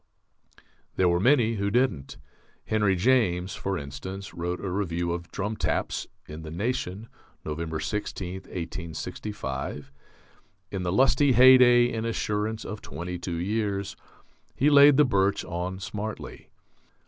There were many who didn't. Henry James, for instance, wrote a review of "Drum Taps" in the Nation, November 16, 1865. In the lusty heyday and assurance of twenty two years, he laid the birch on smartly.